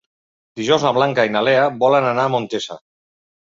Dijous na Blanca i na Lea volen anar a Montesa.